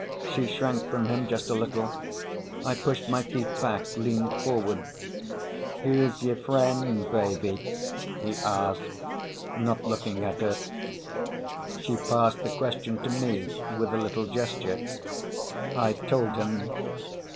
She shrank from him, just a little. I pushed my feet back, leaned forward. "Who's your friend, baby?" he asked, not looking at her. She passed the question to me with a little gesture. I told him.